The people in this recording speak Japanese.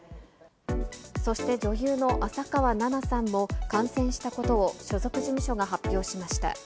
そして女優の浅川梨奈さんも、感染したことを所属事務所が発表しました。